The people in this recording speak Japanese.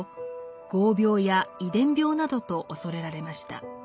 業病や遺伝病などと恐れられました。